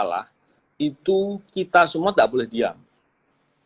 lelaki mutlak bajdeerah lagi memperkenalkan hal hal masalah kemudian ketika briefly komen